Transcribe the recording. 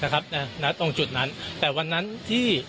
ณตรงจุดนั้นแต่วันนั้นที่